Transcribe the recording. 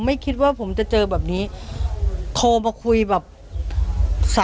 ได้ที่ทำเพื่อและช่วยกับของตุ๊กคือแหนะ